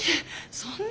そんな。